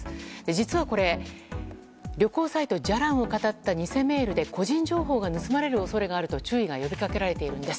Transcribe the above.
実はこれ、旅行サイトじゃらんをかたった偽メールで個人情報が抜き取られる恐れがあると注意が呼びかけられているんです。